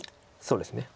そうですね。